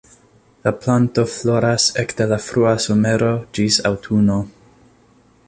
La planto floras ekde la frua somero ĝis aŭtuno.